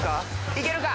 いけるか？